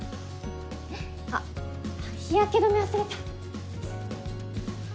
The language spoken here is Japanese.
あっ日焼け止め忘れた。